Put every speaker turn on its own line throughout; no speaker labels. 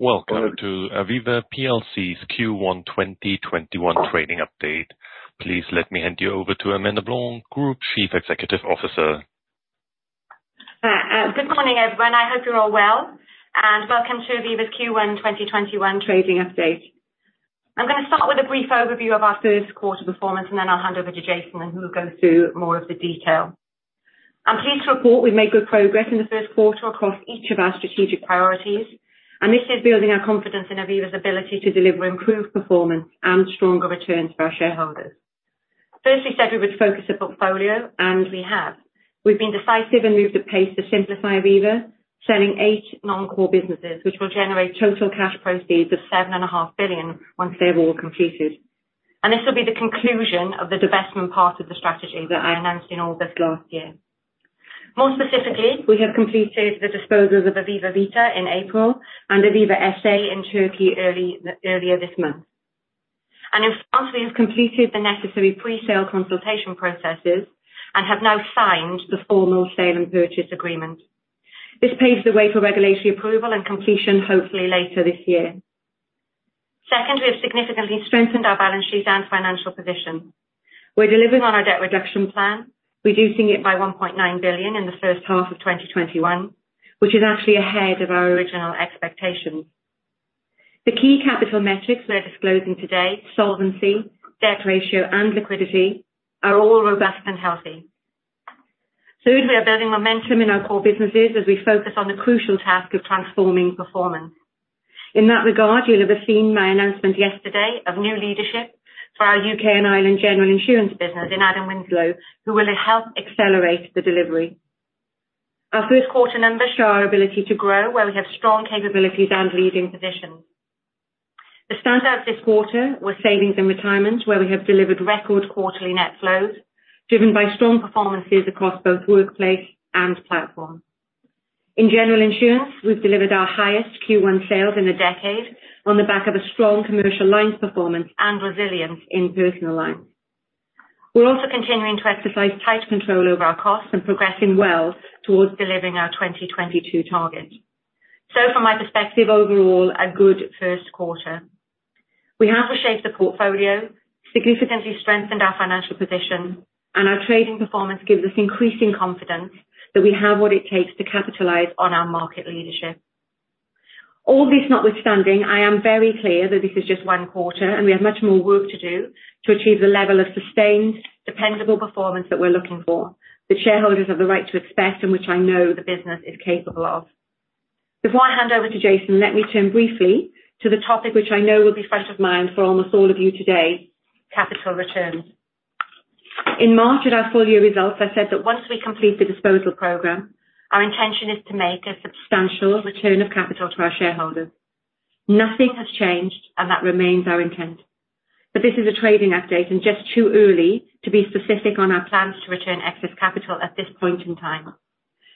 Welcome to Aviva PLC's Q1 2021 trading update. Please let me hand you over to Amanda Blanc, Group Chief Executive Officer.
Good morning, everyone. I hope you're all well, and welcome to Aviva's Q1 2021 trading update. I'm gonna start with a brief overview of our first quarter performance, and then I'll hand over to Jason, and who will go through more of the detail. I'm pleased to report we've made good progress in the first quarter across each of our strategic priorities, and this is building our confidence in Aviva's ability to deliver improved performance and stronger returns to our shareholders. First, we said we would focus the portfolio, and we have. We've been decisive and moved at pace to simplify Aviva, selling eight non-core businesses, which will generate total cash proceeds of 7.5 billion once they're all completed. And this will be the conclusion of the divestment part of the strategy that I announced in August last year. More specifically, we have completed the disposals of Aviva Vita in April and Aviva SA in Turkey early, earlier this month. And in France, we have completed the necessary pre-sale consultation processes and have now signed the formal sale and purchase agreement. This paves the way for regulatory approval and completion, hopefully later this year. Second, we have significantly strengthened our balance sheet and financial position. We're delivering on our debt reduction plan, reducing it by 1.9 billion in the first half of 2021, which is actually ahead of our original expectations. The key capital metrics we're disclosing today, solvency, debt ratio, and liquidity, are all robust and healthy. Third, we are building momentum in our core businesses as we focus on the crucial task of transforming performance. In that regard, you'll have seen my announcement yesterday of new leadership for our U.K. and Ireland General Insurance business in Adam Winslow, who will help accelerate the delivery. Our first quarter numbers show our ability to grow where we have strong capabilities and leading positions. The standout this quarter was Savings and Retirement, where we have delivered record quarterly net flows, driven by strong performances across both workplace and platform. In general insurance, we've delivered our highest Q1 sales in a decade on the back of a strong commercial lines performance and resilience in personal lines. We're also continuing to exercise tight control over our costs and progressing well towards delivering our 2022 targets. From my perspective, overall, a good first quarter. We have reshaped the portfolio, significantly strengthened our financial position, and our trading performance gives us increasing confidence that we have what it takes to capitalize on our market leadership. All this notwithstanding, I am very clear that this is just one quarter, and we have much more work to do to achieve the level of sustained, dependable performance that we're looking for, that shareholders have the right to expect, and which I know the business is capable of. Before I hand over to Jason, let me turn briefly to the topic which I know will be fresh in mind for almost all of you today: capital returns. In March, at our full year results, I said that once we complete the disposal program, our intention is to make a substantial return of capital to our shareholders. Nothing has changed, and that remains our intent. But this is a trading update and just too early to be specific on our plans to return excess capital at this point in time,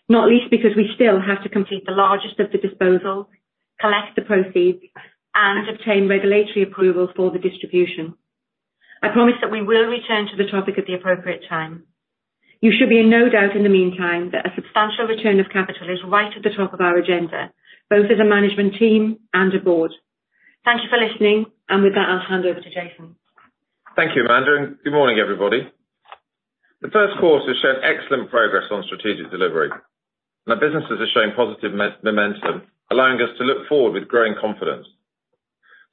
not least because we still have to complete the largest of the disposals, collect the proceeds, and obtain regulatory approval for the distribution. I promise that we will return to the topic at the appropriate time. You should be in no doubt in the meantime that a substantial return of capital is right at the top of our agenda, both as a management team and a board. Thank you for listening, and with that, I'll hand over to Jason.
Thank you, Amanda, and good morning, everybody. The first quarter showed excellent progress on strategic delivery. Our businesses are showing positive momentum, allowing us to look forward with growing confidence.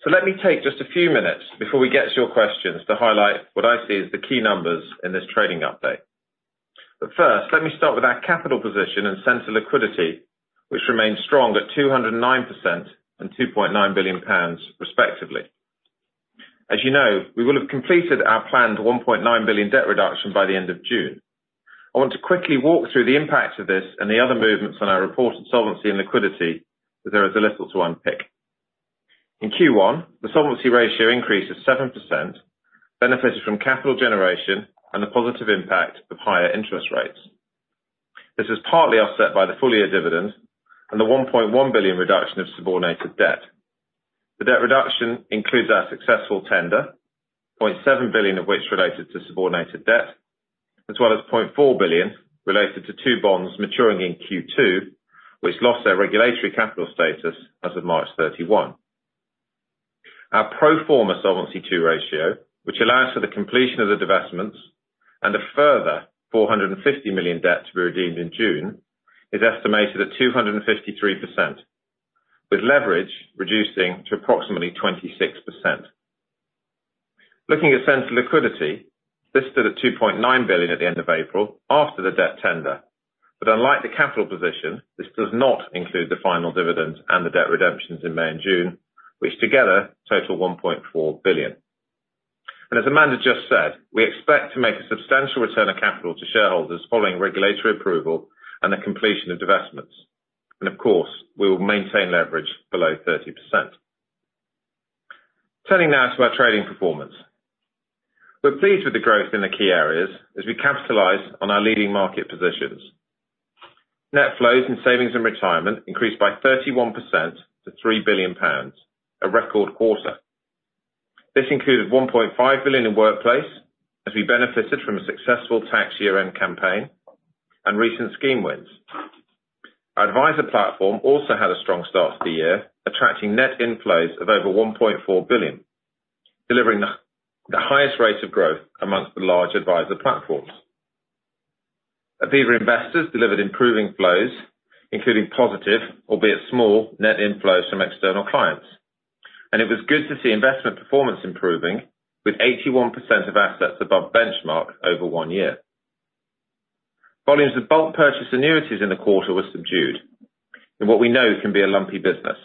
So let me take just a few minutes before we get to your questions, to highlight what I see as the key numbers in this trading update. But first, let me start with our capital position and central liquidity, which remains strong at 209% and 2.9 billion pounds, respectively. As you know, we will have completed our planned 1.9 billion debt reduction by the end of June. I want to quickly walk through the impact of this and the other movements on our reported solvency and liquidity, as there is a little to unpick. In Q1, the solvency ratio increase is 7%, benefiting from capital generation and the positive impact of higher interest rates. This is partly offset by the full-year dividend and the 1.1 billion reduction of subordinated debt. The debt reduction includes our successful tender, 0.7 billion of which related to subordinated debt, as well as 0.4 billion related to 2 bonds maturing in Q2, which lost their regulatory capital status as of March 31. Our pro forma Solvency II ratio, which allows for the completion of the divestments and a further 450 million debt to be redeemed in June, is estimated at 253%, with leverage reducing to approximately 26%. Looking at central liquidity, this stood at 2.9 billion at the end of April after the debt tender. But unlike the capital position, this does not include the final dividend and the debt redemptions in May and June, which together total 1.4 billion. And as Amanda just said, we expect to make a substantial return of capital to shareholders following regulatory approval and the completion of divestments. And of course, we will maintain leverage below 30%. Turning now to our trading performance. We're pleased with the growth in the key areas as we capitalize on our leading market positions. Net flows and savings in retirement increased by 31% to 3 billion pounds, a record quarter. This included 1.5 billion in workplace, as we benefited from a successful tax year-end campaign, and recent scheme wins. Our Adviser Platform also had a strong start to the year, attracting net inflows of over 1.4 billion, delivering the highest rate of growth amongst the large Adviser Platforms. Aviva Investors delivered improving flows, including positive, albeit small, net inflows from external clients. It was good to see investment performance improving, with 81% of assets above benchmark over 1 year. Volumes of Bulk Purchase Annuities in the quarter were subdued, in what we know can be a lumpy business.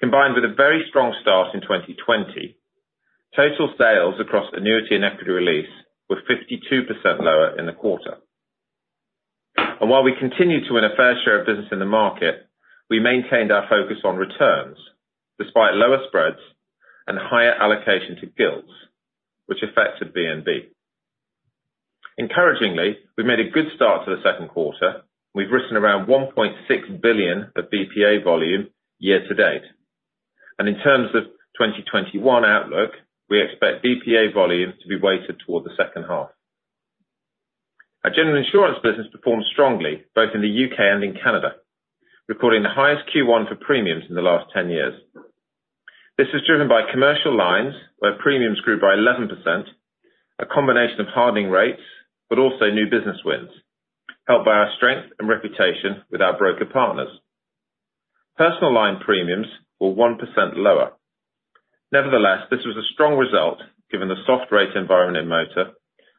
Combined with a very strong start in 2020, total sales across annuity and Equity Release were 52% lower in the quarter. While we continued to win a fair share of business in the market, we maintained our focus on returns, despite lower spreads and higher allocation to Gilts, which affected VNB. Encouragingly, we've made a good start to the second quarter, and we've written around 1.6 billion of BPA volume year to date. In terms of 2021 outlook, we expect BPA volumes to be weighted toward the second half. Our general insurance business performed strongly, both in the U.K. and in Canada, recording the highest Q1 for premiums in the last 10 years. This is driven by commercial lines, where premiums grew by 11%, a combination of hardening rates, but also new business wins, helped by our strength and reputation with our broker partners. Personal lines premiums were 1% lower. Nevertheless, this was a strong result, given the soft rate environment in motor,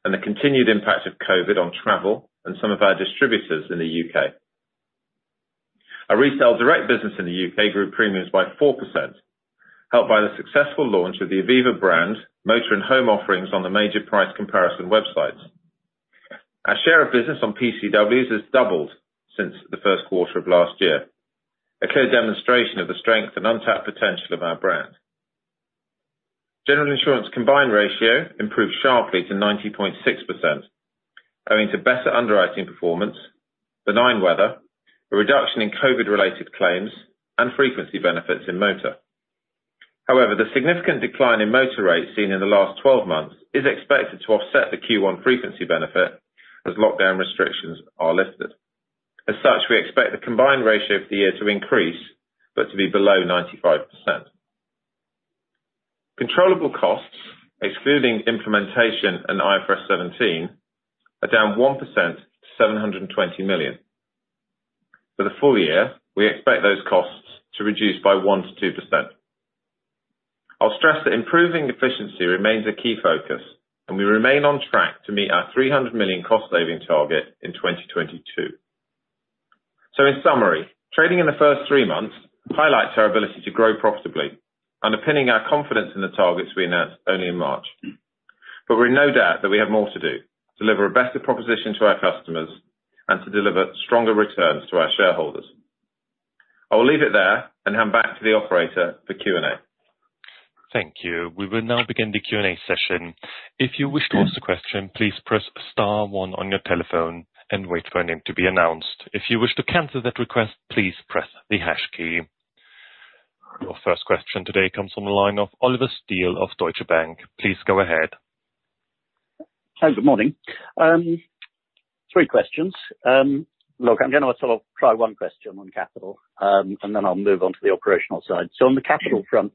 and the continued impact of COVID on travel and some of our distributors in the U.K.. Our retail direct business in the U.K. grew premiums by 4%, helped by the successful launch of the Aviva brand, motor and home offerings on the major price comparison websites. Our share of business on PCWs has doubled since the first quarter of last year, a clear demonstration of the strength and untapped potential of our brand. General Insurance combined ratio improved sharply to 90.6%, owing to better underwriting performance, benign weather, a reduction in COVID-related claims, and frequency benefits in motor. However, the significant decline in motor rates seen in the last 12 months is expected to offset the Q1 frequency benefit, as lockdown restrictions are lifted. As such, we expect the combined ratio for the year to increase, but to be below 95%. Controllable costs, excluding implementation and IFRS 17, are down 1% to 720 million. For the full year, we expect those costs to reduce by 1%-2%. I'll stress that improving efficiency remains a key focus, and we remain on track to meet our 300 million cost saving target in 2022. So in summary, trading in the first three months highlights our ability to grow profitably, underpinning our confidence in the targets we announced only in March. But we're in no doubt that we have more to do, deliver a better proposition to our customers, and to deliver stronger returns to our shareholders. I will leave it there and hand back to the operator for Q&A.
Thank you. We will now begin the Q&A session. If you wish to ask a question, please press star one on your telephone and wait for your name to be announced. If you wish to cancel that request, please press the hash key. Your first question today comes from the line of Oliver Steele of Deutsche Bank. Please go ahead.
Hi, good morning. Three questions. Look, I'm gonna sort of try one question on capital, and then I'll move on to the operational side. So on the capital front,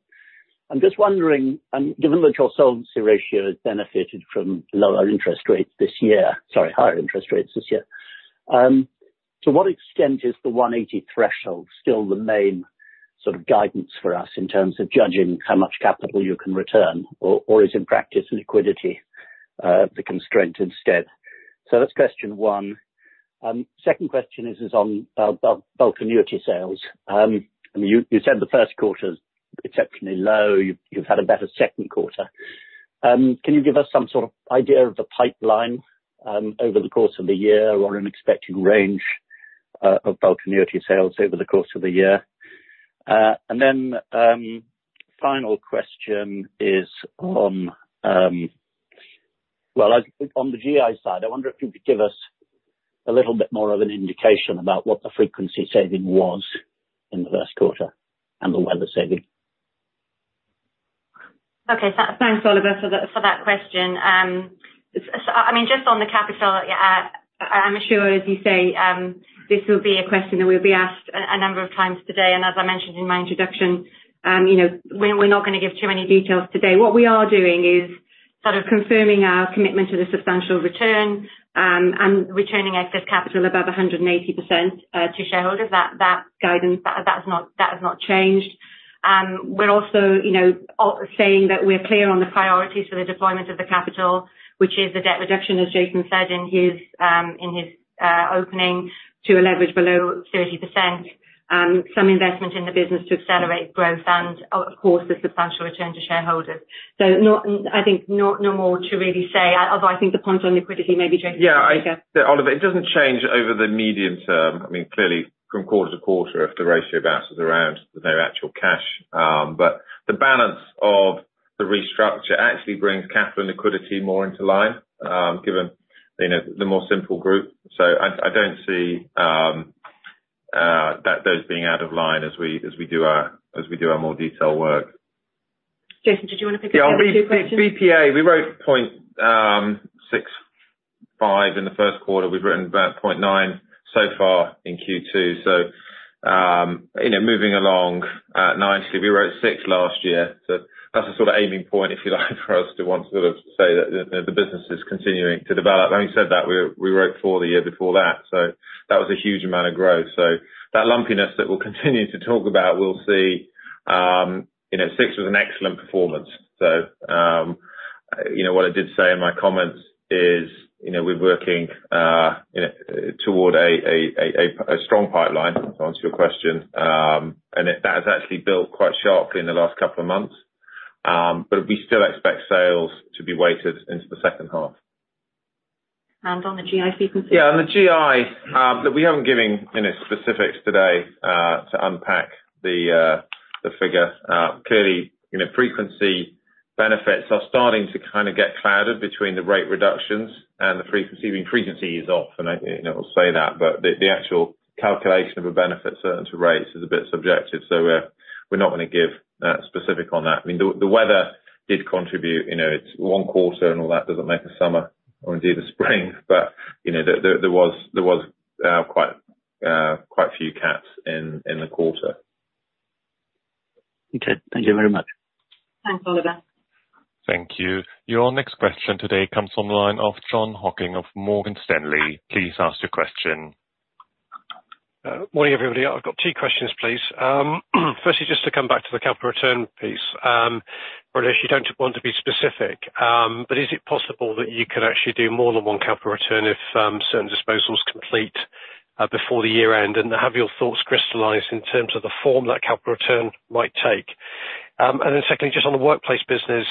I'm just wondering, and given that your solvency ratio has benefited from lower interest rates this year, sorry, higher interest rates this year, to what extent is the 180 threshold still the main sort of guidance for us, in terms of judging how much capital you can return, or, or is, in practice, liquidity, the constraint instead? So that's question one. Second question is on bulk annuity sales. I mean, you said the first quarter's exceptionally low. You've had a better second quarter. Can you give us some sort of idea of the pipeline over the course of the year or an expected range of bulk annuity sales over the course of the year? And then, final question is on... Well, on the GI side, I wonder if you could give us a little bit more of an indication about what the frequency saving was in the first quarter, and the weather saving.
Okay. Thanks, Oliver, for that question. I mean, just on the capital, I'm sure, as you say, this will be a question that we'll be asked a number of times today, and as I mentioned in my introduction, you know, we're not gonna give too many details today. What we are doing is sort of confirming our commitment to the substantial return, and returning excess capital above 180%, to shareholders. That, that guidance, that's not, that has not changed. We're also, you know, saying that we're clear on the priorities for the deployment of the capital, which is the debt reduction, as Jason said in his opening, to a leverage below 30%. some investment in the business to accelerate growth and, of course, the substantial return to shareholders. So, I think, no more to really say, although I think the point on liquidity, maybe Jason-
Yeah, Oliver, it doesn't change over the medium term. I mean, clearly from quarter to quarter, if the ratio bounces around, there's no actual cash. But the balance of the restructure actually brings capital and liquidity more into line, given, you know, the more simple group. So I don't see that those being out of line as we do our more detailed work.
Jason, did you want to pick up the two questions?
Yeah. On BPA, we wrote 0.65 in the first quarter. We've written about 0.9 so far in Q2. So, you know, moving along nicely. We wrote 6 last year, so that's the sort of aiming point, if you like, for us to want to sort of say that the business is continuing to develop. Having said that, we wrote 4 the year before that, so that was a huge amount of growth. So that lumpiness that we'll continue to talk about, we'll see. You know, 6 was an excellent performance. So, you know, what I did say in my comments is, you know, we're working, you know, toward a strong pipeline, to answer your question. And that has actually built quite sharply in the last couple of months. But we still expect sales to be weighted into the second half.
And on the GI frequency?
Yeah, on the GI, look, we haven't given, you know, specifics today, to unpack the, the figure. Clearly, you know, frequency benefits are starting to kind of get clouded between the rate reductions and the frequency, seeing frequency is off, and I, you know, will say that. But the, the actual calculation of a benefit certain to rates is a bit subjective, so we're, we're not gonna give, specific on that. I mean, the, the weather did contribute. You know, it's one quarter, and all that doesn't make a summer or indeed a spring but, you know, there, there, there was, there was, quite, quite a few cats in, in the quarter.
Okay. Thank you very much.
Thanks, Oliver.
Thank you. Your next question today comes from the line of John Hocking of Morgan Stanley. Please ask your question.
Morning, everybody. I've got two questions, please. Firstly, just to come back to the capital return piece. Well, if you don't want to be specific, but is it possible that you could actually do more than one capital return if certain disposals complete before the year end? And have your thoughts crystallized in terms of the form that capital return might take? And then secondly, just on the workplace business,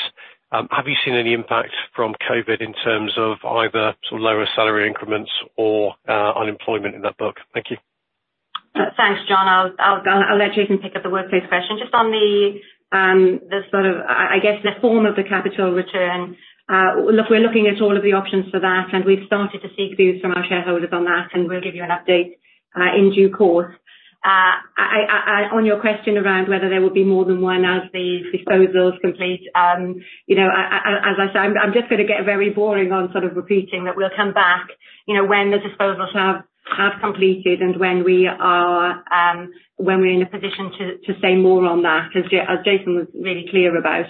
have you seen any impact from COVID in terms of either sort of lower salary increments or unemployment in that book? Thank you.
Thanks, John. I'll let Jason pick up the workplace question. Just on the sort of, I guess, the form of the capital return, look, we're looking at all of the options for that, and we've started to seek views from our shareholders on that, and we'll give you an update in due course. On your question around whether there will be more than one as the disposals complete, you know, as I said, I'm just gonna get very boring on sort of repeating that we'll come back, you know, when the disposals have completed, and when we're in a position to say more on that. As Jason was really clear about,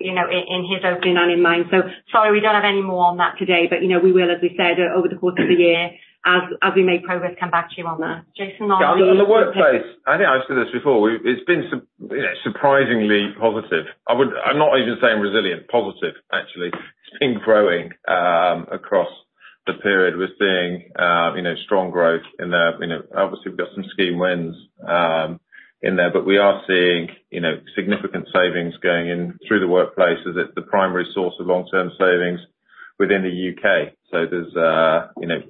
you know, in his opening and in mine. So sorry, we don't have any more on that today, but, you know, we will, as we said, over the course of the year, as we make progress, come back to you on that. Jason?
Yeah, on the workplace, I think I've said this before. It's been you know, surprisingly positive. I would... I'm not even saying resilient, positive, actually. It's been growing across the period. We're seeing you know, strong growth in the you know, obviously, we've got some scheme wins in there. But we are seeing you know, significant savings going in through the workplace as the primary source of long-term savings within the U.K.. So there's you know,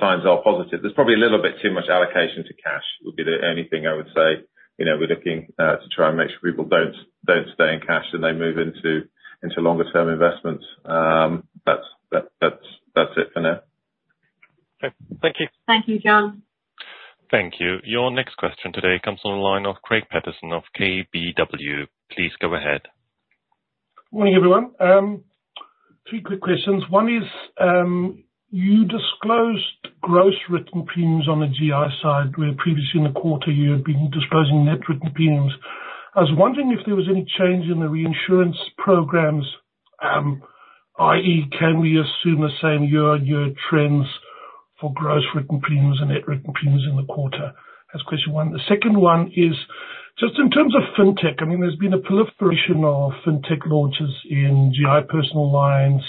signs are positive. There's probably a little bit too much allocation to cash, would be the only thing I would say. You know, we're looking to try and make sure people don't stay in cash, and they move into longer term investments. That's it for now.
Okay. Thank you.
Thank you, John.
Thank you. Your next question today comes on the line of Greig Paterson of KBW. Please go ahead.
Morning, everyone. Three quick questions. One is, you disclosed gross written premiums on the GI side, where previously in the quarter, you had been disclosing net written premiums. I was wondering if there was any change in the reinsurance programs, i.e., can we assume the same year-on-year trends for gross written premiums and net written premiums in the quarter? That's question one. The second one is just in terms of fintech. I mean, there's been a proliferation of fintech launches in GI personal lines,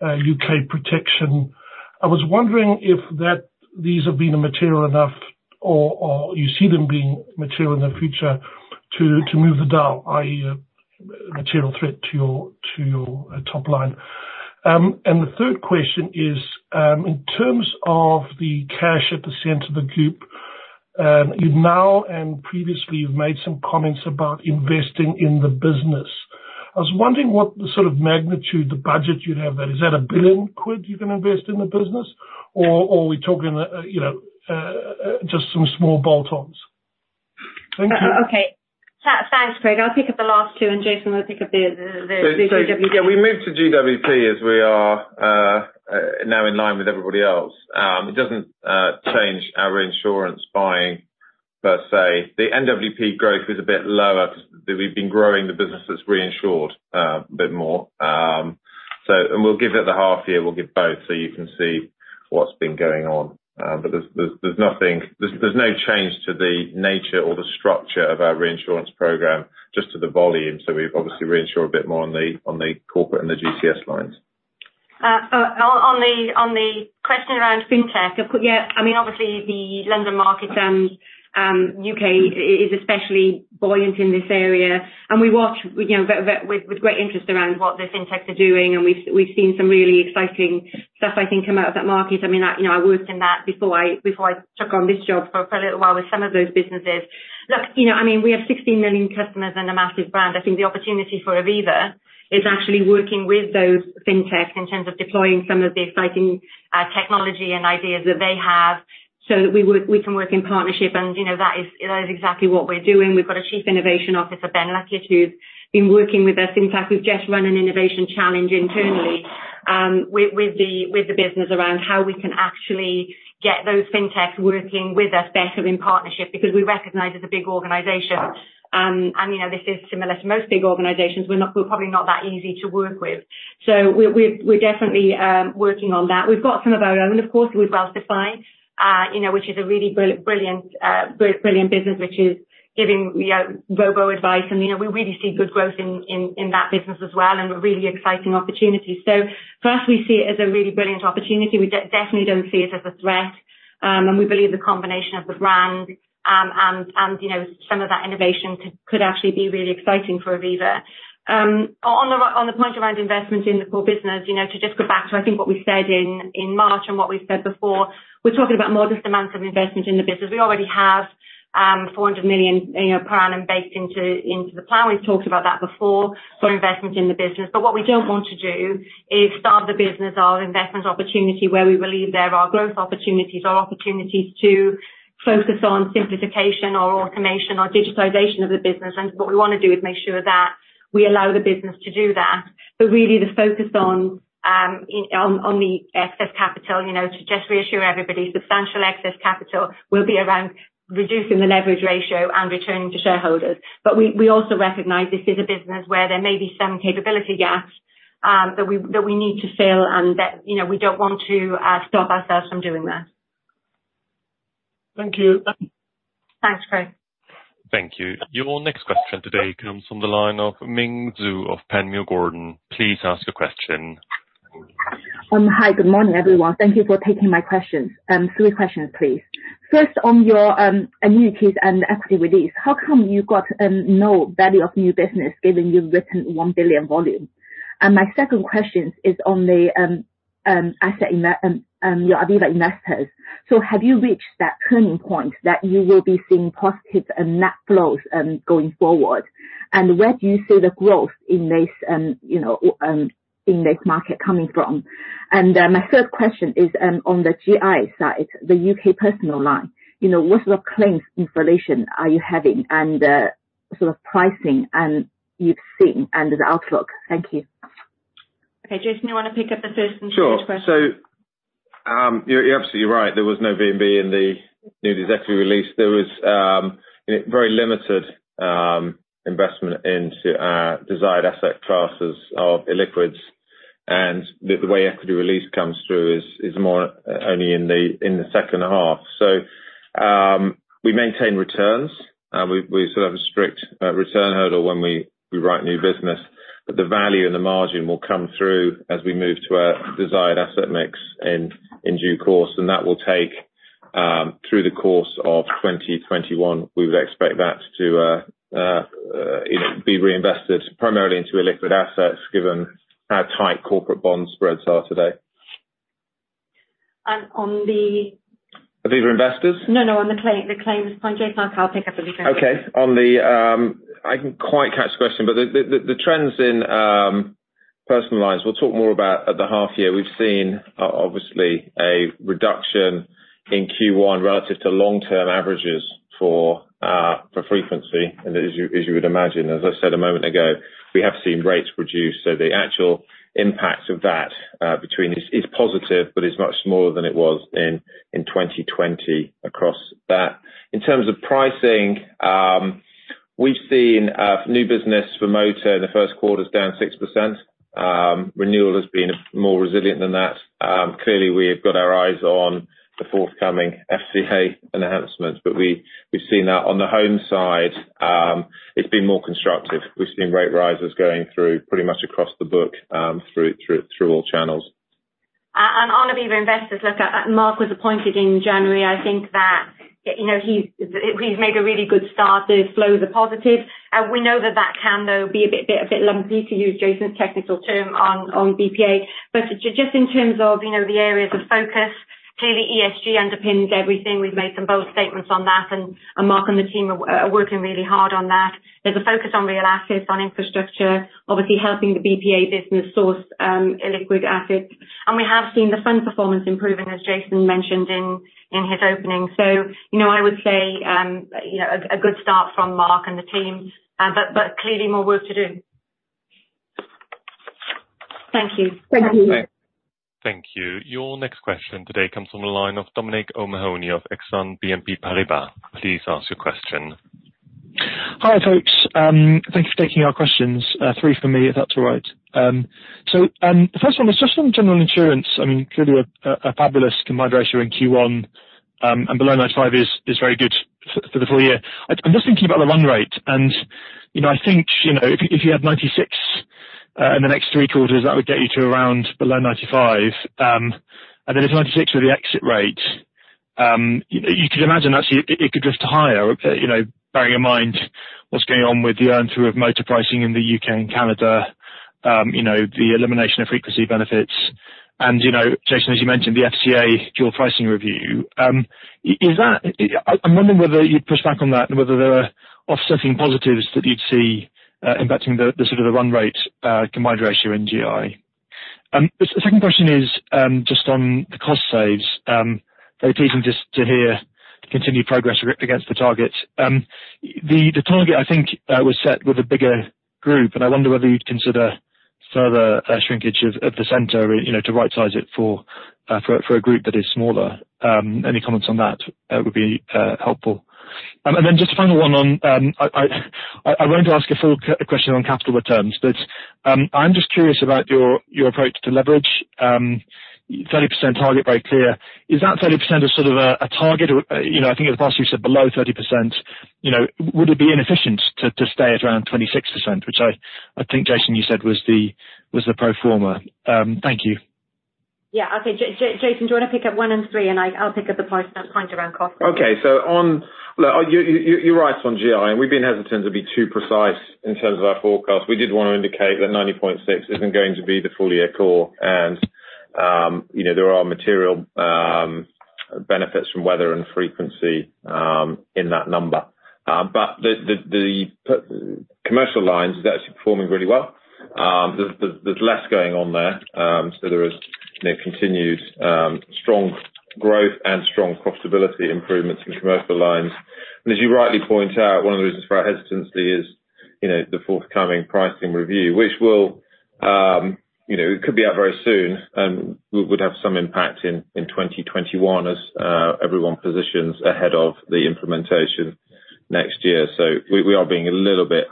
U.K. protection. I was wondering if that, these have been material enough or, or you see them being material in the future to, to move the dial, i.e., material threat to your, to your, top line. The third question is, in terms of the cash at the center of the group, you've now, and previously, you've made some comments about investing in the business. I was wondering what the sort of magnitude, the budget you'd have there. Is that 1 billion quid you're gonna invest in the business, or, or are we talking, you know, just some small bolt-ons? Thank you.
Okay. Thanks, Greig. I'll pick up the last two, and Jason will pick up the GWP.
So yeah, we moved to GWP as we are now in line with everybody else. It doesn't change our reinsurance buying per se. The NWP growth is a bit lower. We've been growing the business that's reinsured a bit more. So, and we'll give it at the half year, we'll give both, so you can see what's been going on. But there's nothing... There's no change to the nature or the structure of our reinsurance program, just to the volume. So we've obviously reinsured a bit more on the corporate and the GCS lines.
On the question around fintech, yeah, I mean, obviously, the London market and U.K. is especially buoyant in this area, and we watch, you know, with great interest around what those fintechs are doing, and we've seen some really exciting stuff I think come out of that market. I mean, you know, I worked in that before I took on this job for quite a little while with some of those businesses. Look, you know, I mean, we have 16 million customers and a massive brand. I think the opportunity for Aviva is actually working with those fintechs in terms of deploying some of the exciting technology and ideas that they have, so that we can work in partnership. And, you know, that is exactly what we're doing. We've got a Chief Innovation Officer, Ben Luckett, who's been working with us. In fact, we've just run an innovation challenge internally with the business around how we can actually get those fintechs working with us better in partnership, because we recognize as a big organization, and, you know, this is similar to most big organizations, we're probably not that easy to work with. So we're definitely working on that. We've got some of our own, of course, with Wealthify, you know, which is a really brilliant business, which is giving, you know, robo-advice, and, you know, we really see good growth in that business as well, and a really exciting opportunity. So first, we see it as a really brilliant opportunity. We definitely don't see it as a threat, and we believe the combination of the brand and you know some of that innovation could actually be really exciting for Aviva. On the point around investment in the core business, you know, to just go back to, I think, what we said in March and what we've said before, we're talking about more just amounts of investment in the business. We already have 400 million you know per annum baked into the plan. We've talked about that before, for investment in the business. But what we don't want to do is starve the business of investment opportunity where we believe there are growth opportunities or opportunities to focus on simplification or automation or digitization of the business. What we wanna do is make sure that we allow the business to do that. But really the focus on the excess capital, you know, to just reassure everybody, substantial excess capital will be around reducing the leverage ratio and returning to shareholders. But we also recognize this is a business where there may be some capability gaps that we need to fill, and that, you know, we don't want to stop ourselves from doing that.
Thank you.
Thanks, Greig.
Thank you. Your next question today comes from the line of Ming Zhu of Panmure Gordon. Please ask your question.
Hi, good morning, everyone. Thank you for taking my questions. Three questions, please. First, on your annuities and equity release, how come you got no value of new business, given you've written 1 billion volume? And my second question is on the assets in your Aviva Investors. So have you reached that turning point, that you will be seeing positive net flows going forward? And my third question is on the GI side, the U.K. personal lines. You know, what sort of claims inflation are you having, and sort of pricing you've seen and the outlook? Thank you.
Okay, Jason, you want to pick up the first and second question?
Sure. So, you're absolutely right. There was no VNB in the Equity Release. There was, you know, very limited investment into our desired asset classes of illiquids. And the way Equity Release comes through is more only in the second half. So, we maintain returns. We sort of have a strict return hurdle when we write new business. But the value and the margin will come through as we move to our desired asset mix in due course, and that will take through the course of 2021. We would expect that to, you know, be reinvested primarily into illiquid assets, given how tight corporate bond spreads are today.
And on the-
Aviva Investors?
No, no, on the claims point, Jason, I'll pick up Aviva Investors.
Okay. On the, I didn't quite catch the question, but the trends in Personal Lines, we'll talk more about at the half year. We've seen, obviously, a reduction in Q1 relative to long-term averages for frequency. And as you would imagine, as I said a moment ago, we have seen rates reduce, so the actual impact of that between is positive, but it's much smaller than it was in 2020 across that. In terms of pricing, we've seen new business for motor in the first quarter is down 6%. Renewal has been more resilient than that. Clearly, we have got our eyes on the forthcoming FCA enhancements, but we've seen that on the home side, it's been more constructive. We've seen rate rises going through pretty much across the book, through all channels.
And on Aviva Investors, look, Mark was appointed in January. I think that, you know, he's made a really good start. The flows are positive. We know that that can, though, be a bit lumpy, to use Jason's technical term, on BPA. But just in terms of, you know, the areas of focus, clearly, ESG underpins everything. We've made some bold statements on that, and Mark and the team are working really hard on that. There's a focus on real assets, on infrastructure, obviously, helping the BPA business source illiquid assets. And we have seen the fund performance improving, as Jason mentioned in his opening. So, you know, I would say, you know, a good start from Mark and the team, but clearly more work to do.
Thank you.
Thank you.
Thank you. Your next question today comes from the line of Dominic O'Mahony of Exane BNP Paribas. Please ask your question.
Hi, folks. Thank you for taking our questions. Three from me, if that's all right. So, first one is just on general insurance. I mean, clearly a fabulous combined ratio in Q1, and below 95 is very good for the full year. I'm just thinking about the run rate, and, you know, I think, you know, if you had 96 in the next three quarters, that would get you to around below 95. And then if 96 were the exit rate, you could imagine, actually, it could drift higher, you know, bearing in mind what's going on with the earn through of motor pricing in the U.K. and Canada, you know, the elimination of frequency benefits, and, you know, Jason, as you mentioned, the FCA dual pricing review. Is that... I'm wondering whether you'd push back on that, and whether there are offsetting positives that you'd see impacting the sort of run rate combined ratio in GI? The second question is just on the cost saves. Very pleasing just to hear continued progress against the targets. The target, I think, was set with a bigger group, and I wonder whether you'd consider further shrinkage of the center, you know, to rightsize it for a group that is smaller. Any comments on that would be helpful. And then just a final one on, I wanted to ask a full question on capital returns, but I'm just curious about your approach to leverage. 30% target, very clear. Is that 30% of sort of a target or, you know, I think in the past you said below 30%, you know, would it be inefficient to stay at around 26%? Which I think, Jason, you said was the pro forma. Thank you.
Yeah. Okay, Jason, do you wanna pick up one and three, and I, I'll pick up the point around cost?
Okay. Look, you're right on GI, and we've been hesitant to be too precise in terms of our forecast. We did wanna indicate that 90.6 isn't going to be the full year core, and you know, there are material benefits from weather and frequency in that number. But the commercial lines is actually performing really well. There's less going on there. So there is, you know, continued strong growth and strong profitability improvements in commercial lines. And as you rightly point out, one of the reasons for our hesitancy is, you know, the forthcoming pricing review, which will, you know, it could be out very soon, and would have some impact in 2021, as everyone positions ahead of the implementation next year. So we are being a little bit,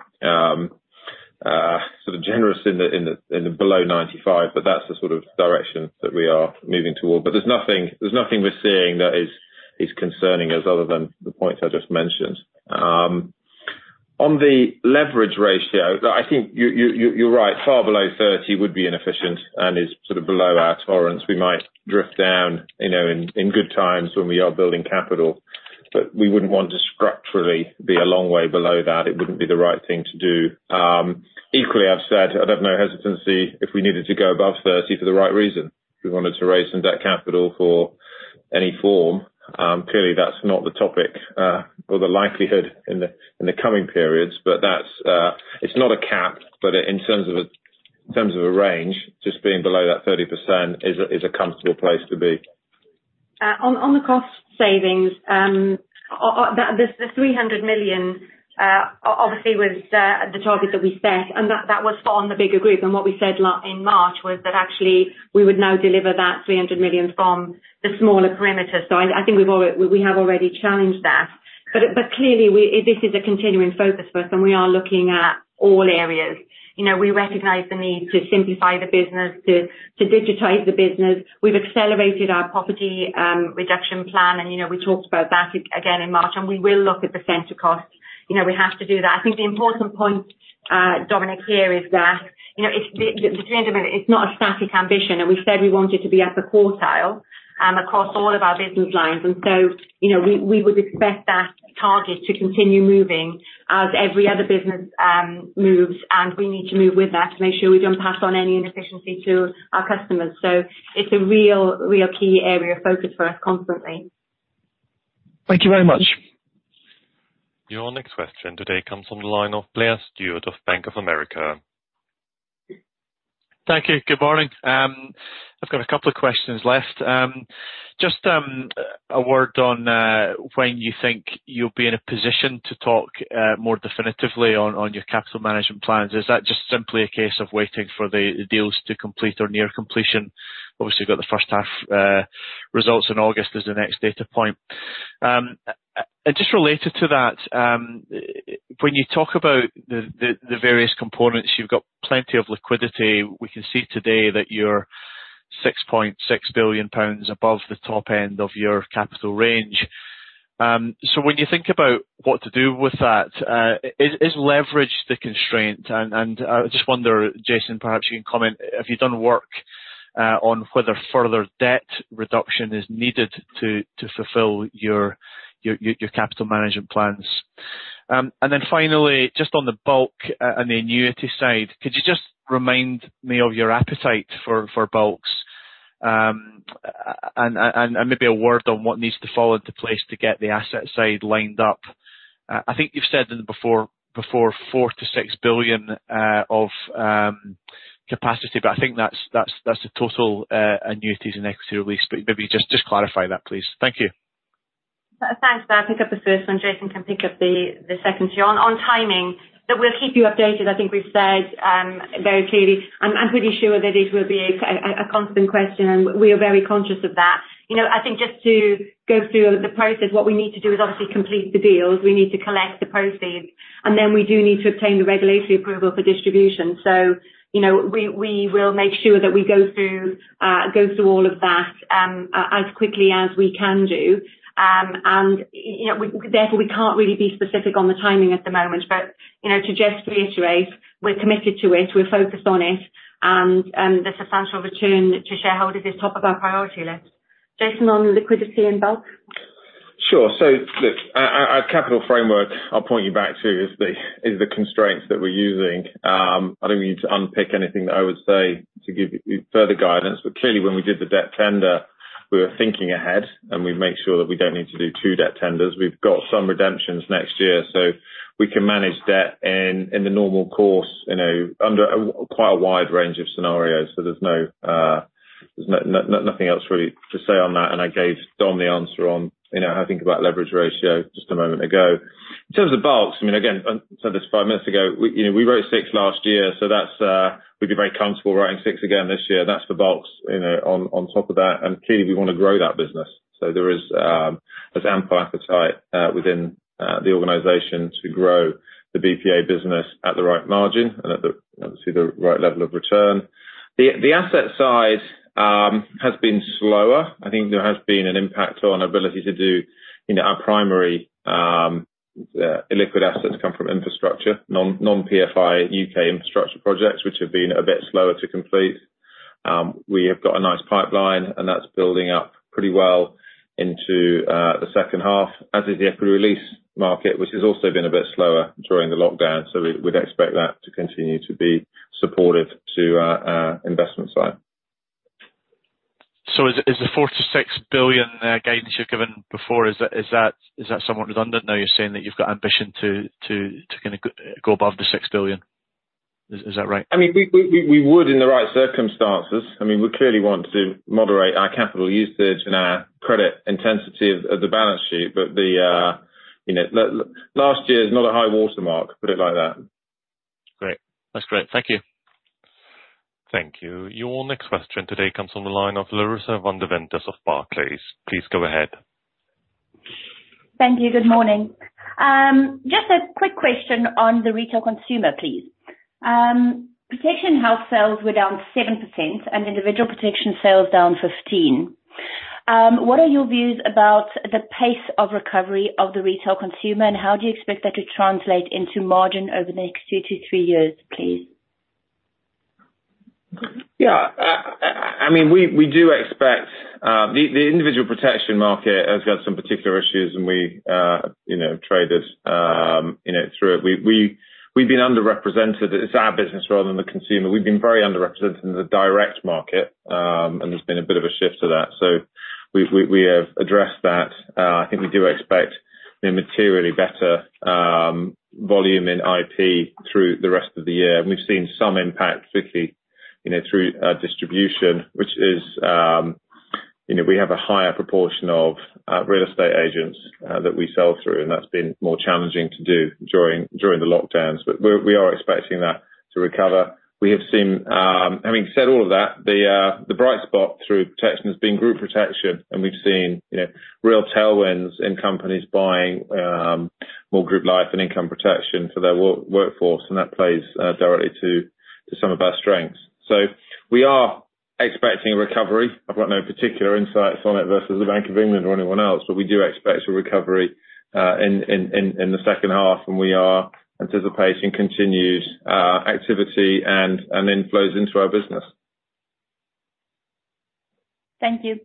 sort of generous in the below 95, but that's the sort of direction that we are moving toward. But there's nothing we're seeing that is concerning us, other than the points I just mentioned. On the leverage ratio, though, I think you're right, far below 30 would be inefficient and is sort of below our tolerance. We might drift down, you know, in good times when we are building capital. But we wouldn't want to structurally be a long way below that, it wouldn't be the right thing to do. Equally, I've said I have no hesitancy if we needed to go above 30 for the right reason. We wanted to raise some debt capital for any form. Clearly, that's not the topic or the likelihood in the, in the coming periods, but that's... It's not a cap, but in terms of a, in terms of a range, just being below that 30% is a, is a comfortable place to be.
On the cost savings, the 300 million obviously was the target that we set, and that was on the bigger group. And what we said in March was that actually, we would now deliver that 300 million from the smaller perimeter. So I think we have already challenged that. But clearly, this is a continuing focus for us, and we are looking at all areas. You know, we recognize the need to simplify the business, to digitize the business. We've accelerated our property reduction plan, and, you know, we talked about that again in March, and we will look at the center costs. You know, we have to do that. I think the important point, Dominic, here, is that, you know, it's the sentiment, it's not a static ambition, and we said we wanted to be at the quartile, across all of our business lines. And so, you know, we would expect that target to continue moving as every other business moves, and we need to move with that to make sure we don't pass on any inefficiency to our customers. So it's a real, real key area of focus for us constantly.
Thank you very much.
Your next question today comes from the line of Blair Stewart of Bank of America.
Thank you. Good morning. I've got a couple of questions left. Just a word on when you think you'll be in a position to talk more definitively on your capital management plans. Is that just simply a case of waiting for the deals to complete or near completion? Obviously, you've got the first half results in August as the next data point. And just related to that, when you talk about the various components, you've got plenty of liquidity. We can see today that you're 6.6 billion pounds above the top end of your capital range. So when you think about what to do with that, is leverage the constraint? I just wonder, Jason, perhaps you can comment, have you done work on whether further debt reduction is needed to fulfill your capital management plans? And then finally, just on the bulk and the annuity side, could you just remind me of your appetite for bulks? And maybe a word on what needs to fall into place to get the asset side lined up. I think you've said before 4-6 billion of capacity, but I think that's the total annuities and equity release. But maybe just clarify that, please. Thank you.
Thanks. I'll pick up the first one, Jason can pick up the second two. On timing, we'll keep you updated, I think we've said very clearly. I'm pretty sure that this will be a constant question, and we are very conscious of that. You know, I think just to go through the process, what we need to do is obviously complete the deals. We need to collect the proceeds, and then we do need to obtain the regulatory approval for distribution. So, you know, we will make sure that we go through all of that as quickly as we can do. And, you know, therefore, we can't really be specific on the timing at the moment, but, you know, to just reiterate, we're committed to it, we're focused on it, and, the substantial return to shareholders is top of our priority list. Jason, on liquidity and bulk?
Sure. So look, our capital framework, I'll point you back to, is the constraints that we're using. I don't need to unpick anything that I would say to give you further guidance, but clearly, when we did the debt tender, we were thinking ahead, and we'd make sure that we don't need to do two debt tenders. We've got some redemptions next year, so we can manage debt in the normal course, you know, under quite a wide range of scenarios. So there's no nothing else really to say on that, and I gave Don the answer on, you know, how I think about leverage ratio, just a moment ago. In terms of bulks, I mean, again, I said this five minutes ago, we, you know, we wrote six last year, so that's, we'd be very comfortable writing six again this year. That's the bulks, you know, on top of that, and clearly, we want to grow that business. So there is, there's ample appetite within the organization to grow the BPA business at the right margin and at the, obviously, the right level of return. The asset side has been slower. I think there has been an impact on our ability to do, you know, our primary illiquid assets come from infrastructure, non-PFI, U.K. infrastructure projects, which have been a bit slower to complete. We have got a nice pipeline, and that's building up pretty well into the second half, as is the equity release market, which has also been a bit slower during the lockdown. So we'd expect that to continue to be supportive to our investment side.
So is the 4 billion-6 billion guidance you'd given before, is that somewhat redundant, now you're saying that you've got ambition to kinda go above the 6 billion? Is that right?
I mean, we would in the right circumstances. I mean, we clearly want to moderate our capital usage and our credit intensity of the balance sheet. But the, you know, last year is not a high watermark, put it like that.
Great. That's great. Thank you.
Thank you. Your next question today comes from the line of Larissa van Deventer of Barclays. Please go ahead.
Thank you. Good morning. Just a quick question on the retail consumer, please. Protection health sales were down 7%, and individual protection sales down 15. What are your views about the pace of recovery of the retail consumer, and how do you expect that to translate into margin over the next two to three years, please?
Yeah. I mean, we do expect the individual protection market has got some particular issues, and we, you know, trade this, you know, through it. We've been underrepresented. It's our business rather than the consumer. We've been very underrepresented in the direct market, and there's been a bit of a shift to that. So we've addressed that. I think we do expect a materially better volume in IP through the rest of the year. And we've seen some impact, particularly, you know, through distribution, which is, you know, we have a higher proportion of real estate agents that we sell through, and that's been more challenging to do during the lockdowns. But we are expecting that to recover. We have seen... Having said all of that, the bright spot through protection has been group protection, and we've seen, you know, real tailwinds in companies buying more group life and income protection for their workforce, and that plays directly to some of our strengths. So we are expecting a recovery. I've got no particular insights on it versus the Bank of England or anyone else, but we do expect a recovery in the second half, and we are anticipating continued activity and inflows into our business.
Thank you.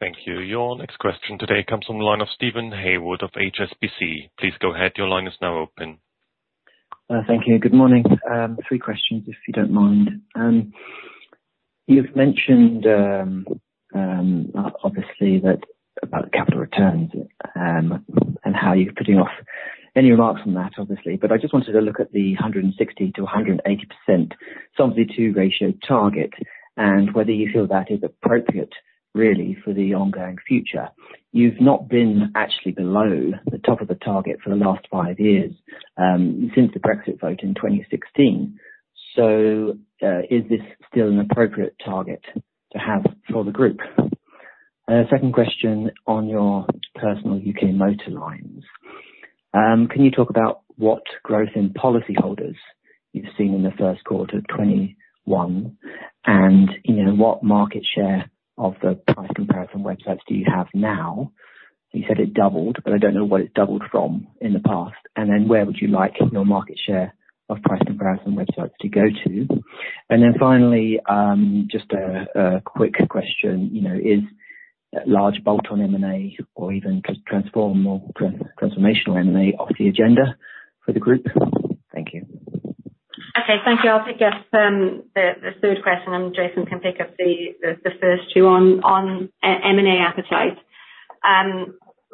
Thank you. Your next question today comes from the line of Steven Haywood of HSBC. Please go ahead. Your line is now open.
Thank you, and good morning. Three questions, if you don't mind. You've mentioned, obviously, that, about capital returns, and how you're putting off any remarks on that, obviously. But I just wanted to look at the 160%-180% Solvency II ratio target, and whether you feel that is appropriate, really, for the ongoing future? You've not been actually below the top of the target for the last five years, since the Brexit vote in 2016. So, is this still an appropriate target to have for the group? Second question on your personal U.K. motor lines. Can you talk about what growth in policyholders you've seen in the first quarter of 2021? And you know, what market share of the price comparison websites do you have now? You said it doubled, but I don't know what it doubled from in the past. Where would you like your market share of price comparison websites to go to? Finally, just a quick question, you know, is a large bolt on M&A or even transformational M&A off the agenda for the group? Thank you.
Okay, thank you. I'll pick up the third question, and Jason can pick up the first two on M&A appetite.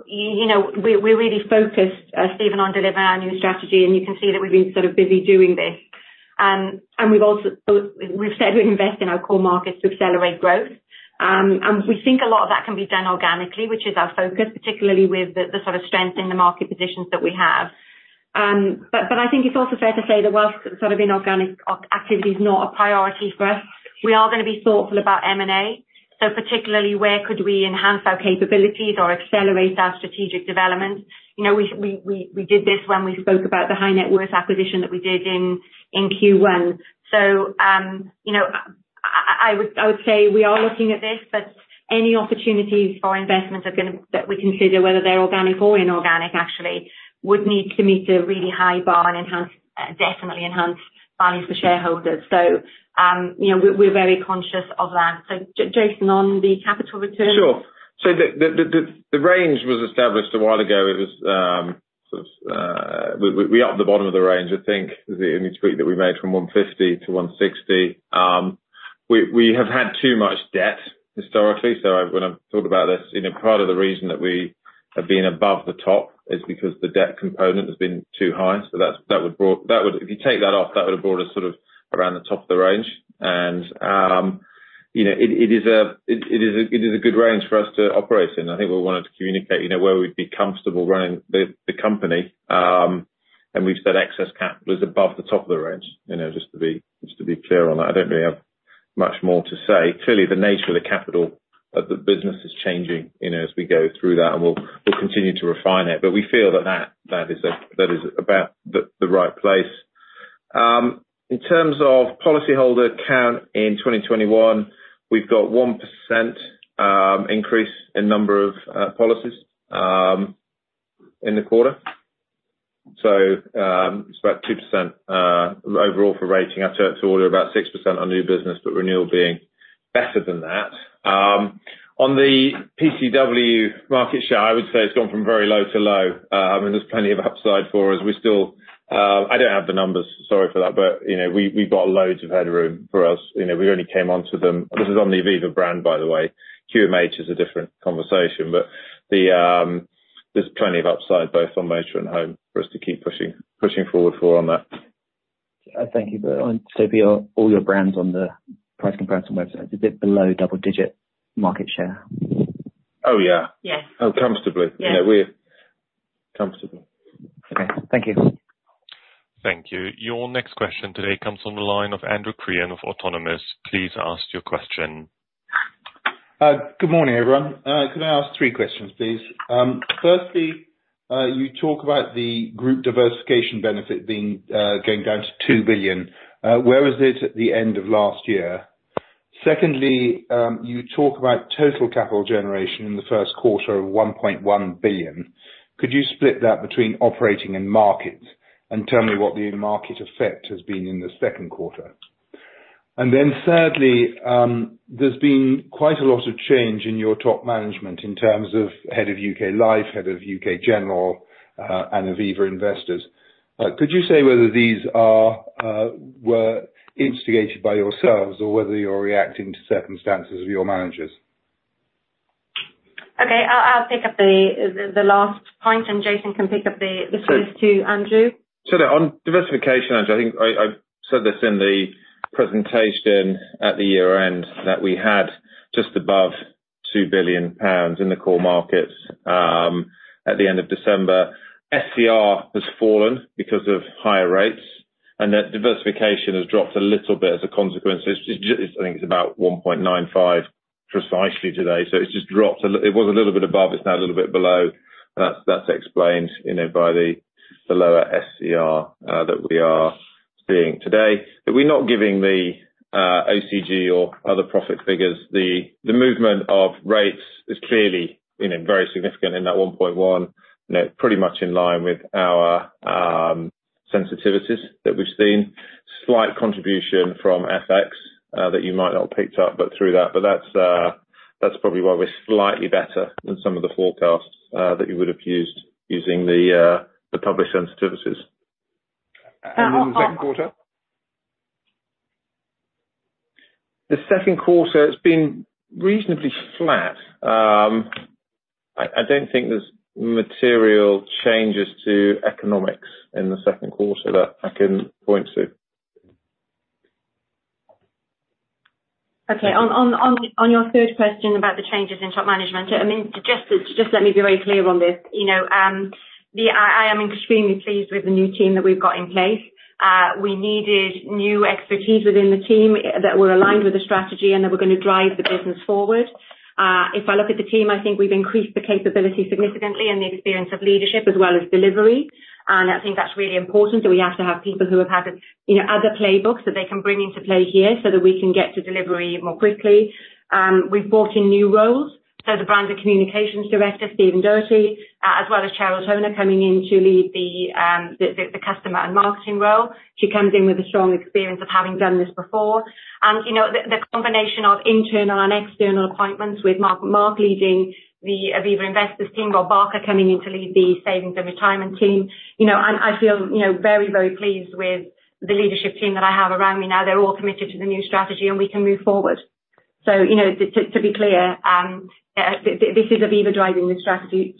You know, we really focused, Steven, on delivering our new strategy, and you can see that we've been sort of busy doing this. And we've also, so we've said we'd invest in our core markets to accelerate growth. And we think a lot of that can be done organically, which is our focus, particularly with the sort of strength in the market positions that we have. But I think it's also fair to say that while sort of inorganic activity is not a priority for us, we are gonna be thoughtful about M&A. So particularly, where could we enhance our capabilities or accelerate our strategic development? You know, we did this when we spoke about the high net worth acquisition that we did in Q1. So, you know, I would say we are looking at this, but any opportunities for investments are gonna... That we consider, whether they're organic or inorganic, actually, would need to meet a really high bar and enhance, definitely enhance value for shareholders. So, you know, we're very conscious of that. So Jason, on the capital return?
Sure. So the range was established a while ago. It was sort of... We are at the bottom of the range, I think, the only tweak that we made from 150 to 160. We have had too much debt historically, so, when I've thought about this, you know, part of the reason that we have been above the top is because the debt component has been too high. So that's, that would brought-- That would... If you take that off, that would've brought us sort of around the top of the range. And, you know, it is a good range for us to operate in. I think we wanted to communicate, you know, where we'd be comfortable running the company. And we've said excess capital is above the top of the range. You know, just to be, just to be clear on that. I don't really have much more to say. Clearly, the nature of the capital of the business is changing, you know, as we go through that, and we'll, we'll continue to refine it. But we feel that that, that is a, that is about the, the right place. In terms of policyholder count in 2021, we've got 1% increase in number of policies in the quarter. So, it's about 2% overall for rating. Up to order about 6% on new business, but renewal being better than that. On the PCW market share, I would say it's gone from very low to low. I mean, there's plenty of upside for us. We still... I don't have the numbers, sorry for that, but, you know, we, we've got loads of headroom for us. You know, we only came onto them. This is on the Aviva brand, by the way. QMH is a different conversation. But the, there's plenty of upside, both on motor and home, for us to keep pushing, pushing forward for on that.
Thank you. But are all your brands on the price comparison website, is it below double-digit market share?
Oh, yeah.
Yes.
Oh, comfortably.
Yes.
You know, we're comfortable.
Okay. Thank you.
Thank you. Your next question today comes from the line of Andrew Crean of Autonomous. Please ask your question.
Good morning, everyone. Could I ask three questions, please? Firstly, you talk about the group diversification benefit being going down to 2 billion. Where was it at the end of last year? Secondly, you talk about total capital generation in the first quarter of 1.1 billion. Could you split that between operating and market, and tell me what the market effect has been in the second quarter? And then thirdly, there's been quite a lot of change in your top management in terms of head of U.K. Life, head of U.K. General, and Aviva Investors. Could you say whether these were instigated by yourselves, or whether you're reacting to circumstances of your managers?
Okay. I'll pick up the last point, and Jason can pick up the first two, Andrew.
So on diversification, Andrew, I think I, I said this in the presentation at the year-end, that we had just above 2 billion pounds in the core markets, at the end of December. SCR has fallen because of higher rates, and that diversification has dropped a little bit as a consequence. It's, I think it's about 1.95 billion precisely today. So it's just dropped a little. It was a little bit above, it's now a little bit below, and that's, that's explained, you know, by the, the lower SCR that we are seeing today. But we're not giving the OCG or other profit figures. The movement of rates is clearly, you know, very significant in that 1.1 billion, you know, pretty much in line with our sensitivities that we've seen. Slight contribution from FX, that you might not have picked up, but through that. But that's, that's probably why we're slightly better than some of the forecasts, that you would have used, using the, the published sensitivities.
The second quarter?
The second quarter, it's been reasonably flat. I don't think there's material changes to economics in the second quarter that I can point to.
Okay. On your third question about the changes in top management, I mean, just let me be very clear on this, you know, I am extremely pleased with the new team that we've got in place. We needed new expertise within the team that were aligned with the strategy, and that were gonna drive the business forward. If I look at the team, I think we've increased the capability significantly, and the experience of leadership, as well as delivery. And I think that's really important, that we have to have people who have had, you know, other playbooks that they can bring into play here, so that we can get to delivery more quickly. We've brought in new roles, so the brand and communications director, Stephen Doherty, as well as Cheryl Toner, coming in to lead the customer and marketing role. She comes in with a strong experience of having done this before. And, you know, the combination of internal and external appointments with Mark leading the Aviva Investors team, Rob Barker coming in to lead the savings and retirement team, you know, and I feel, you know, very, very pleased with the leadership team that I have around me now. They're all committed to the new strategy, and we can move forward. So, you know, to be clear, this is Aviva driving the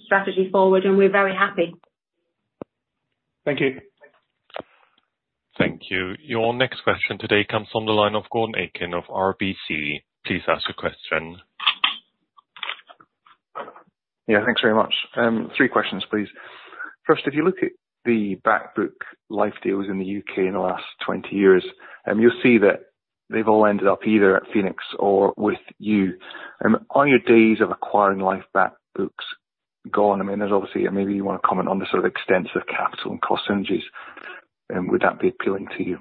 strategy forward, and we're very happy.
Thank you.
Thank you. Your next question today comes from the line of Gordon Aitken of RBC. Please ask your question.
Yeah, thanks very much. 3 questions, please. First, if you look at the back book life deals in the U.K. in the last 20 years, you'll see that they've all ended up either at Phoenix or with you. Are your days of acquiring life back books gone? I mean, there's obviously, and maybe you want to comment on the sort of extensive capital and cost synergies, and would that be appealing to you?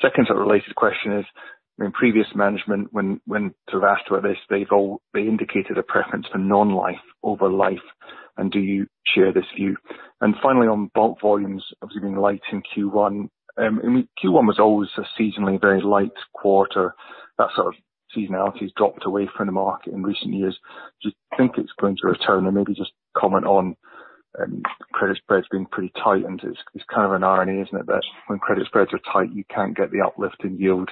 Second sort of related question is, in previous management, when, when sort of asked about this, they've all- they indicated a preference for non-life over life, and do you share this view? And finally, on bulk volumes, obviously being light in Q1, I mean, Q1 was always a seasonally very light quarter. That sort of seasonality has dropped away from the market in recent years. Do you think it's going to return? Maybe just comment on credit spreads being pretty tight, and it's kind of an irony, isn't it? That when credit spreads are tight, you can't get the uplift in yield,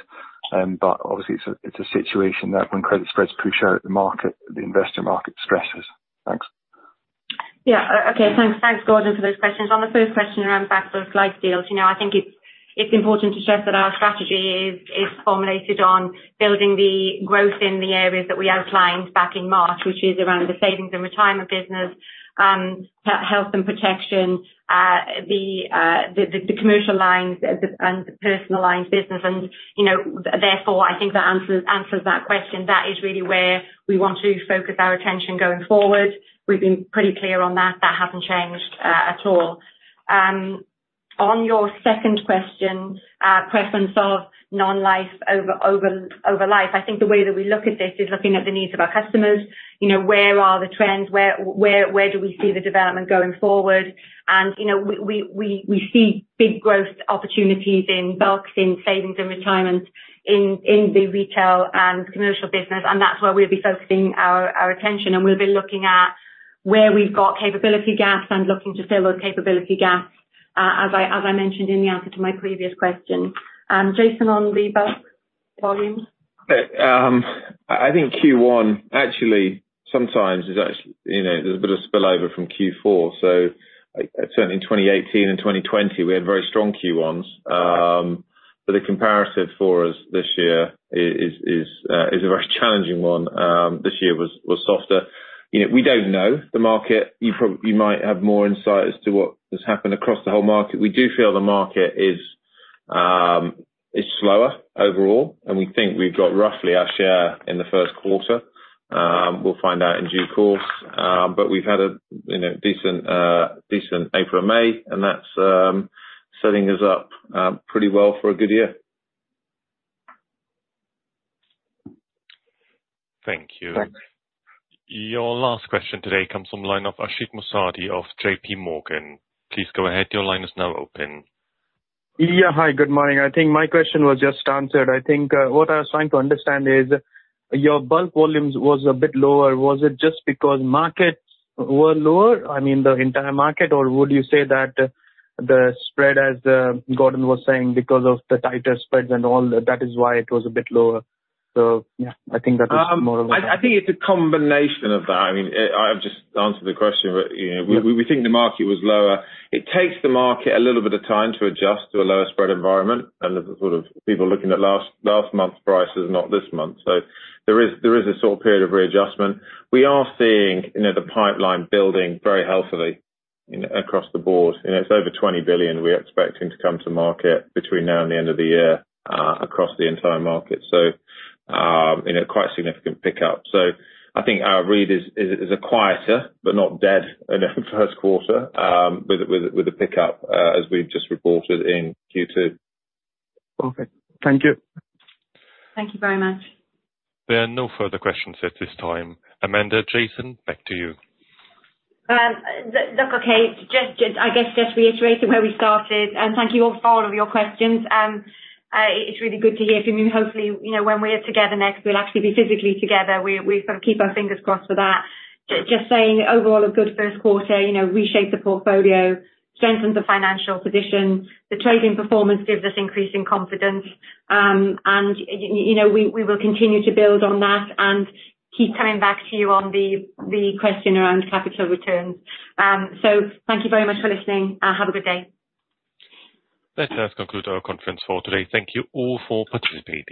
but obviously it's a situation that when credit spreads push out the market, the investor market stresses. Thanks.
Yeah. Okay, thanks. Thanks, Gordon, for those questions. On the first question around back book life deals, you know, I think it's important to stress that our strategy is formulated on building the growth in the areas that we outlined back in March, which is around the savings and retirement business, health and protection, the commercial lines, and the personal lines business and, you know, therefore, I think that answers that question. That is really where we want to focus our attention going forward. We've been pretty clear on that. That hasn't changed at all. On your second question, preference of non-life over life, I think the way that we look at this is looking at the needs of our customers. You know, where are the trends? Where, where, where do we see the development going forward? And, you know, we see big growth opportunities in bulks, in savings and retirement, in the retail and commercial business, and that's where we'll be focusing our attention, and we'll be looking at where we've got capability gaps and looking to fill those capability gaps, as I mentioned in the answer to my previous question. Jason, on the bulk volumes?
I think Q1 actually sometimes is you know there's a bit of spillover from Q4 so certainly in 2018 and 2020 we had very strong Q1s. But the comparative for us this year is a very challenging one. This year was softer. You know we don't know the market. You might have more insight as to what has happened across the whole market. We do feel the market is slower overall and we think we've got roughly our share in the first quarter. We'll find out in due course but we've had a you know decent decent April and May and that's setting us up pretty well for a good year.
Thank you.
Thanks.
Your last question today comes from the line of Ashik Musaddi of JPMorgan. Please go ahead. Your line is now open.
Yeah. Hi, good morning. I think my question was just answered. I think what I was trying to understand is, your bulk volumes was a bit lower. Was it just because markets were lower? I mean, the entire market, or would you say that the spread, as Gordon was saying, because of the tighter spreads and all, that is why it was a bit lower? So yeah, I think that is more of what-
I think it's a combination of that. I mean, I've just answered the question, but, you know-
Yeah
.we think the market was lower. It takes the market a little bit of time to adjust to a lower spread environment, and the sort of people looking at last month's prices, not this month. So there is a sort of period of readjustment. We are seeing, you know, the pipeline building very healthily across the board, and it's over 20 billion we're expecting to come to market between now and the end of the year, across the entire market. So, you know, quite a significant pickup. So I think our read is a quieter, but not dead, in the first quarter, with a pickup, as we've just reported in Q2.
Perfect. Thank you.
Thank you very much.
There are no further questions at this time. Amanda, Jason, back to you.
Look, okay, just, I guess just reiterating where we started, and thank you all for all of your questions. It's really good to hear from you. Hopefully, you know, when we're together next, we'll actually be physically together. We, we sort of keep our fingers crossed for that. Just saying, overall, a good first quarter, you know, reshape the portfolio, strengthen the financial position. The trading performance gives us increasing confidence, and, you know, we, we will continue to build on that, and keep coming back to you on the, the question around capital returns. So thank you very much for listening. Have a good day.
That concludes our conference call today. Thank you all for participating.